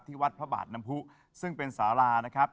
วัดพระบาทน้ำผู้ซึ่งเป็นสารานะครับ